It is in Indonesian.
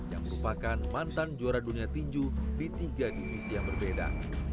yang merupakan mantan juara dunia tinju di tiga divisi yang berbeda